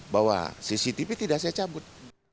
bahwa cctv tidak saya cabut